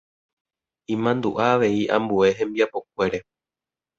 imandu'a avei ambue hembiapokuére.